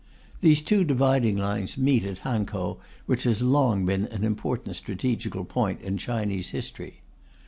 These two dividing lines meet at Hankow, which has long been an important strategical point in Chinese history.